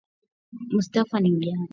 mustafa ni mjanja